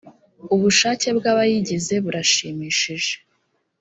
ubushake bw ‘abayigize burashimishije.